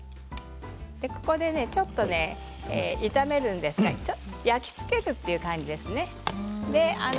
ここでちょっと炒めるんですが焼き付けるという感じですね。